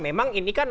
memang ini kan